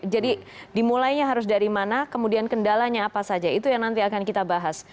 jadi dimulainya harus dari mana kemudian kendalanya apa saja itu yang nanti akan kita bahas